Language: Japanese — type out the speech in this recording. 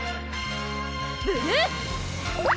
ブルー！